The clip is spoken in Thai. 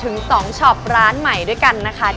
ถึง๒ช็อปร้านใหม่ด้วยกันนะคะ